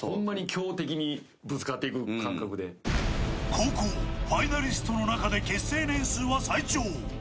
後攻、ファイナリストの中で結成年数は最長。